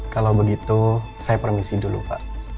kalau begitu saya permisi dulu pak